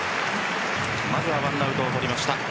まずは１アウトを取りました。